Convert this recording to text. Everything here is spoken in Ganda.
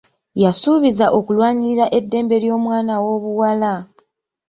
Yasuubiza okulwanirira eddembe ly'omwana w'obuwala.